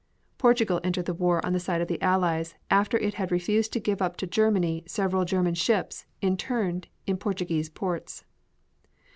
Portugal entered the war on the side of the Allies after it had refused to give up to Germany several German ships interned in Portuguese ports.